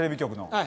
はい。